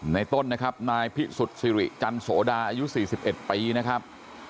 ในต้นนะครับนายพี่สุดสิริจันโสดาอายุสี่สิบเอ็ดปีนะครับ